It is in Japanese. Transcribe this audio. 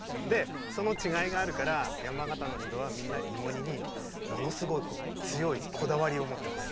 その違いがあるから山形の人は、みんな芋煮にものすごく強いこだわりを持っています。